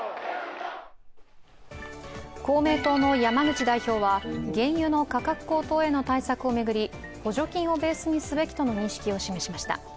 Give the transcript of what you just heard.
公明党の山口代表は原油の価格高騰への対策を巡り補助金をベースにすべきとの認識を示しました。